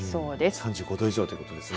３５度以上ということですね。